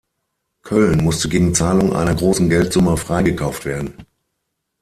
Köln musste gegen Zahlung einer großen Geldsumme freigekauft werden.